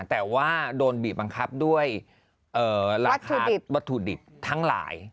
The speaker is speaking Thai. แต่ว่าโดนบีบบังคับด้วยราคาวัตถุดิบทั้งหลาย